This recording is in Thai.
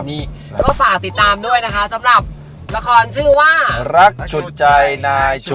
พี่แจ็คลีนก็มาส่งถึงที่แล้วนะคะ